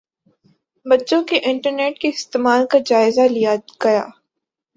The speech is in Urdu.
بچوں کے انٹرنیٹ کے استعمال کا جائزہ لیا گیا